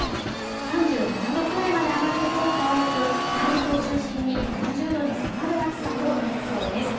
３７度くらいまで上がる所が多く内陸を中心に４０度に迫る暑さとなりそうです